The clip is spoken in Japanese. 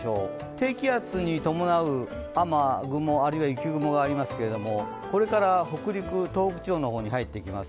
低気圧に伴う雨雲、あるいは雪雲がありますけれどもこれから北陸、東北地方の方に入っていきます。